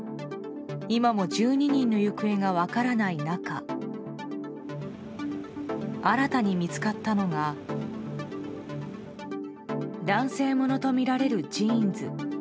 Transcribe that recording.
今も１２人の行方が分からない中新たに見つかったのが男性物とみられるジーンズ。